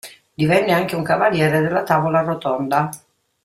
Divenne anche un cavaliere della Tavola rotonda.